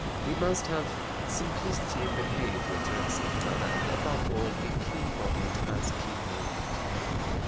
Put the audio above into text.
He must have simplicity in behavior, dress, and manner, and, above all, be clean bodied as clean minded.